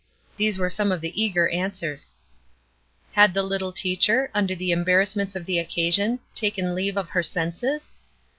These were some of the eager answers. Had the little teacher, under the embarrassments of the occasion, taken leave of her senses?